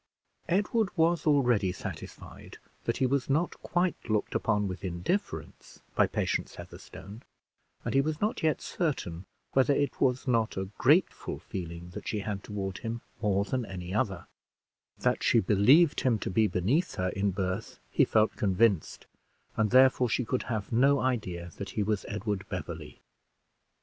Edward was already satisfied that he was not quite looked upon with indifference by Patience Heatherstone; and he was not yet certain whether it was not a grateful feeling that she had toward him more than any other; that she believed him to be beneath her in birth, he felt convinced, and therefore she could have no idea that he was Edward Beverley.